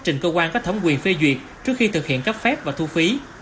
trên cơ quan cách thống quy phê duyệt trước khi thực hiện cấp phép và thu phí